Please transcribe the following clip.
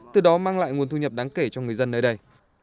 từ đó mang lại nguồn thu nhập đáng kể cho người dân nơi đây